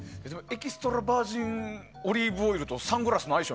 エキストラバージンオリーブオイルとサングラスの相性